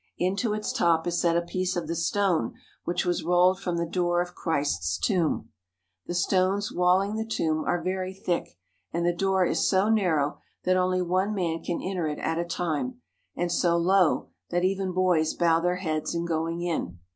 Into its top is set a piece of the stone which was rolled from the door of Christ's tomb. The stones walling the tomb are very thick, and the door is so narrow that only one man can enter it at a time, and so low that even boys bow their heads in going in.